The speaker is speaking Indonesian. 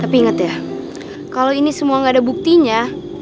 tapi inget ya kalo ini semua gaada buktinya